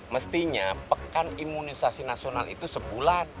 mestinya pekan imunisasi nasional itu sebulan